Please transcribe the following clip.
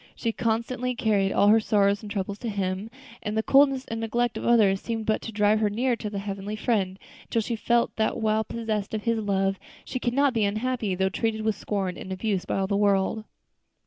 She constantly carried all her sorrows and troubles to Him, and the coldness and neglect of others seemed but to drive her nearer to that Heavenly Friend, until she felt that while possessed of His love, she could not be unhappy, though treated with scorn and abuse by all the world.